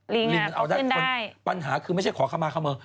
ลิงออกขึ้นได้ปัญหาคือไม่ใช่ขอขมาขเมอ